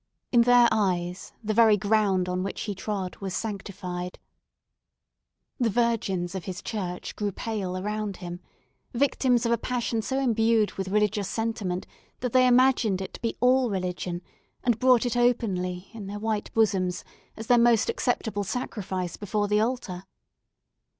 In their eyes, the very ground on which he trod was sanctified. The virgins of his church grew pale around him, victims of a passion so imbued with religious sentiment, that they imagined it to be all religion, and brought it openly, in their white bosoms, as their most acceptable sacrifice before the altar.